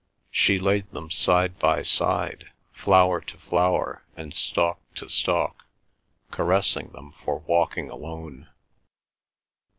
She laid them side by side, flower to flower and stalk to stalk, caressing them for walking alone.